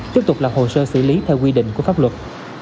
tiếp tục lập hồ sơ xử lý theo quy định của pháp luật